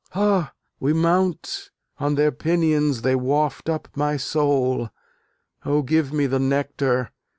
Ha! we mount! on their pinions they waft up my soul! O give me the Nectar!